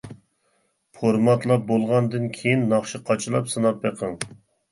فورماتلاپ بولغاندىن كىيىن ناخشا قاچىلاپ سىناپ بېقىڭ.